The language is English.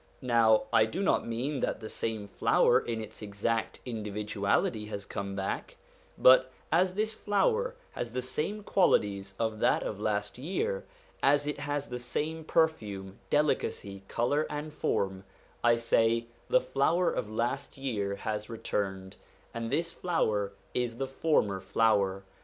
Now, I do not mean that same flower in its exact individuality has come back ; but as this flower has the same qualities as that of last year as it has the same perfume, delicacy, colour, and form I say, the flower of last year has returned, and this flower is the former flower.